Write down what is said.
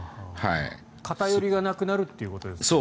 偏りがなくなるということですか。